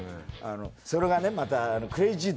それがねまた。